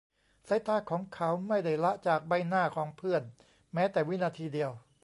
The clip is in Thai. สายตาของเขาไม่ได้ละจากใบหน้าของเพื่อนแม้แต่วินาทีเดียว